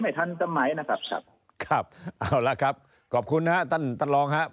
ไม่ทันตำไมนะครับครับครับเอาละครับขอบคุณนะฮะตั้นตั้นรองฮะ